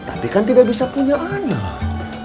tapi kan tidak bisa punya anak